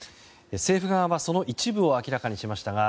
政府側はその一部を明らかにしましたが